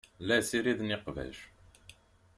La ssiriden iqbac.